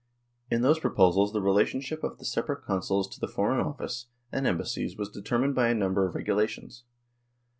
In those proposals the relation ship of the separate Consuls to the Foreign Office and Embassies was determined by a number of regula tions.